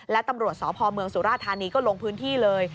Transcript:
และตำรวจสพเมืองสุราธานีก็ลงพื้นที่เลย